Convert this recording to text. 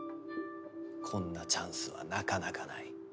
こんなチャンスはなかなかない。